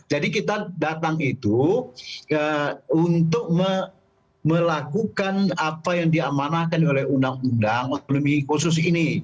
jadi kita datang itu untuk melakukan apa yang diamanakan oleh undang undang kursus ini